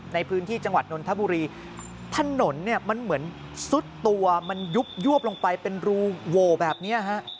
ในพื้นที่จังหวัดนนทบุรีถนนเนี่ยมันเหมือนซุดตัวมันยุบยวบลงไปเป็นรูโหวแบบนี้ฮะ